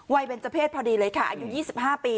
วัยเป็นเจ้าเพศพอดีเลยค่ะอายุยี่สิบห้าปี